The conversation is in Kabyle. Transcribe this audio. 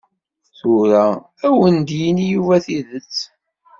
Tura ad wen-d-yini Yuba tidet.